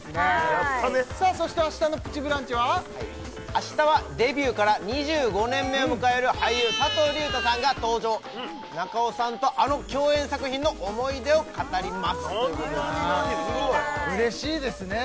やったねそして明日の「プチブランチ」は？明日はデビューから２５年目を迎える俳優佐藤隆太さんが登場中尾さんとあの共演作品の思い出を語ります嬉しいですね